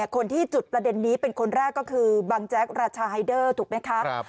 คนที่จุดประเด็นนี้เป็นคนแรกก็คือบังแจ๊กราชาไฮเดอร์ถูกไหมคะ